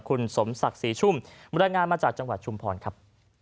พร้อมกันจากคุณสมศักดิ์ศรีชุ่มบรรดงานมาจากจังหวัดชุมพรครับ